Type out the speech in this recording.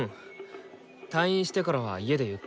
退院してからは家でゆっくりしてる。